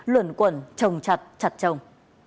luẩn quẩn trồng chặt chặt trồng